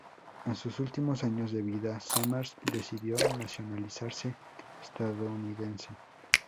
En sus últimos años de vida, Somers decidió nacionalizarse estadounidense.